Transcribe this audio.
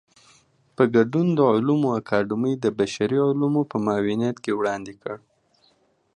په ګډون د علومو اکاډمۍ د بشري علومو په معاونيت کې وړاندې کړ.